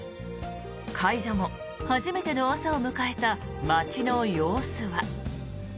解除後、初めての朝を迎えた街の様子は。